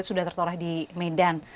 sudah tertolak di medan